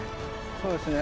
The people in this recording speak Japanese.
そうですね。